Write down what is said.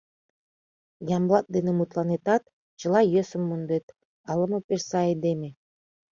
Ямблат дене мутланетат, чыла йӧсым мондет: ала-мо пеш сай айдеме.